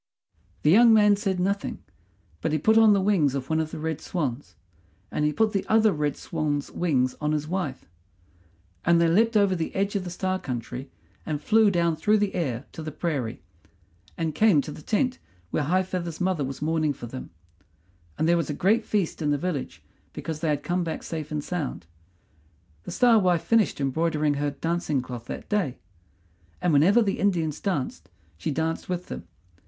The young man said nothing; but he put on the wings of one of the red swans, and he put the other red swan's wings on his wife, and they leapt over the edge of the Star country and flew down through the air to the prairie, and came to the tent where High feather's mother was mourning for them; and there was a great feast in the village because they had come back safe and sound. The Star wife finished embroidering her dancing cloth that day; and whenever the Indians danced she danced with them.